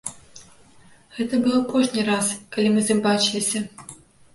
Гэта быў апошні раз, калі мы з ім бачыліся.